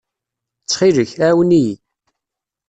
Ttxil-k, ɛawen-iyi.